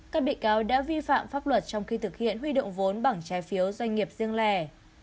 với vi phạm pháp luật trong khi thực hiện huy động vốn bằng trái phiếu doanh nghiệp riêng lẻ